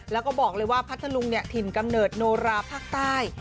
แล้วก็บอกเลยว่าพัทธลุงถิ่นกำเนิดโนราภาคใต้